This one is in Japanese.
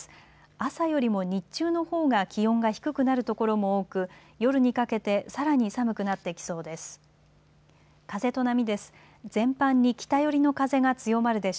朝よりも日中のほうが気温が低くなる所も多く夜にかけてさらに寒くなってきそうです。